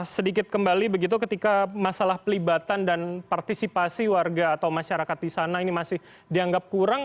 sedikit kembali begitu ketika masalah pelibatan dan partisipasi warga atau masyarakat di sana ini masih dianggap kurang